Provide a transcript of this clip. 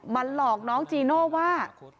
หลอกน้องจีโน่ว่า